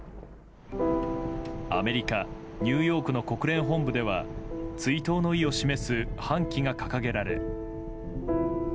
アメリカ・ニューヨークの国連本部では追悼の意を示す半旗が掲げられ。